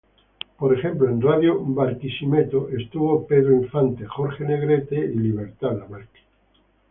Por ejemplo en Radio Barquisimeto estuvo Pedro Infante, Jorge Negrete, Libertad Lamarque.